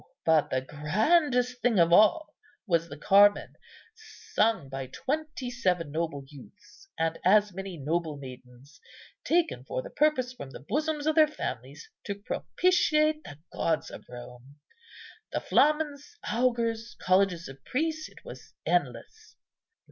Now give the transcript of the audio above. but the grandest thing of all was the Carmen, sung by twenty seven noble youths, and as many noble maidens, taken for the purpose from the bosoms of their families to propitiate the gods of Rome. The flamens, augurs, colleges of priests, it was endless.